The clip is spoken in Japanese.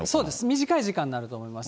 短い時間になると思います。